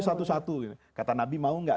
satu satu kata nabi mau nggak